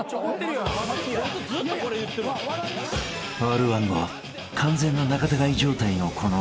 ［Ｒ−１後完全な仲たがい状態のこの２人］